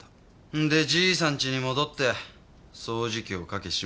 んでじいさんちに戻って掃除機をかけ指紋を拭いた。